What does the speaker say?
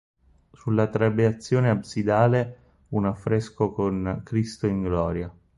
Sulla trabeazione absidale un affresco con "Cristo in Gloria".